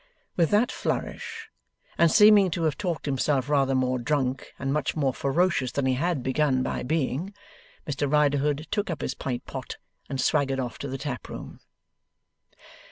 With that flourish, and seeming to have talked himself rather more drunk and much more ferocious than he had begun by being, Mr Riderhood took up his pint pot and swaggered off to the taproom.